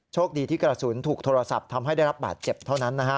โชคดีที่กระสุนถูกโทรศัพท์ทำให้ได้รับบาดเจ็บเท่านั้นนะฮะ